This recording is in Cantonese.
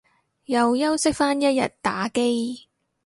又休息返一日打機